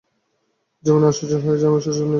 যামিনী আশ্চর্য হইয়া যায়, আমি শশীর নিন্দে করব।